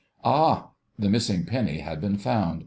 "Ah!" The missing penny had been found.